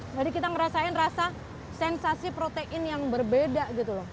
jadi kita ngerasain rasa sensasi protein yang berbeda gitu loh